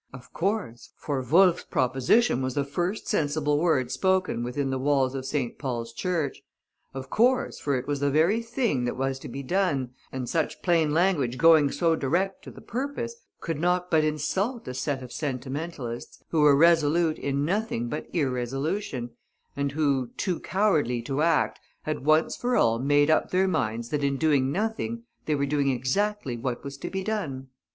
Of course, for Wolff's proposition was the first sensible word spoken within the walls of St. Paul's Church; of course, for it was the very thing that was to be done, and such plain language going so direct to the purpose, could not but insult a set of sentimentalists, who were resolute in nothing but irresolution, and who, too cowardly to act, had once for all made up their minds that in doing nothing, they were doing exactly what was to be done.